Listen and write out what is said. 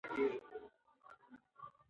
فعال ذهن هیڅکله نه زوړ کیږي.